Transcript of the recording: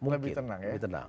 lebih tenang ya